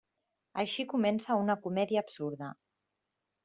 Així comença una comèdia absurda.